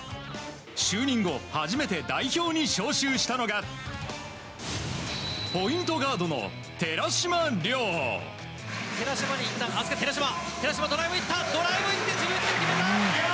就任後初めて代表に招集したのがポイントガードの寺嶋良。